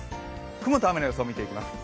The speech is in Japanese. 雲と雨の予想、見ていきます。